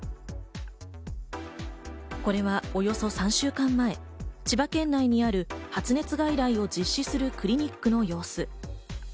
これはおよそ３週間前、千葉県内にある発熱外来を実施するクリニックの様子。